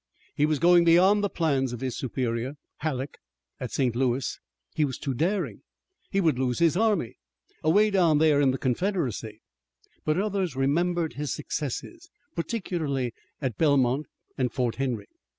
He was going beyond the plans of his superior, Halleck, at St. Louis. He was too daring, he would lose his army, away down there in the Confederacy. But others remembered his successes, particularly at Belmont and Fort Henry.